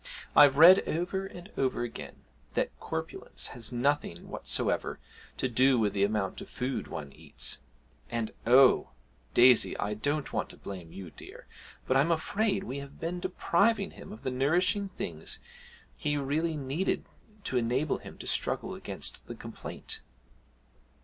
'I've read over and over again that corpulence has nothing whatever to do with the amount of food one eats. And, oh! Daisy, I don't want to blame you, dear but I'm afraid we have been depriving him of the nourishing things he really needed to enable him to struggle against the complaint!'